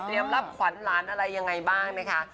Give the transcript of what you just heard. เตรียมรับขวัญหลานอะไรอย่างไรบ้างนะคะ